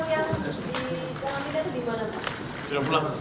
yang ke delapan belas itu di mana pak